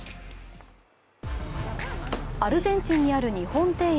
アルゼンチンにある日本庭園。